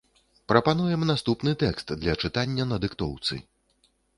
Прапануем наступны тэкст для чытання на дыктоўцы.